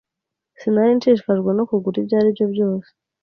Sinari nshishikajwe no kugura ibyo aribyo byose.